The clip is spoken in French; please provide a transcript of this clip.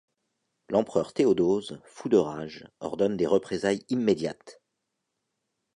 L'empereur Théodose, fou de rage, ordonne des représailles immédiates.